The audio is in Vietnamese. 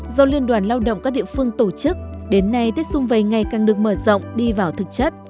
do liên đoàn lao động các địa phương tổ chức đến nay tết xung vầy ngày càng được mở rộng đi vào thực chất